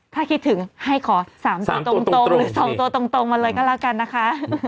ถ้าคิดถึงให้ขอ๓ตัวตรงหรือ๒ตัวตรงมาเลยก็แล้วกันนะคะ